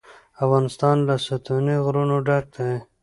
افغانستان له ستوني غرونه ډک دی.